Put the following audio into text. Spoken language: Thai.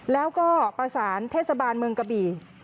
แล้วก็ประสานเทศบาลเมืองกะบี่